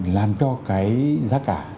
làm cho cái giá cả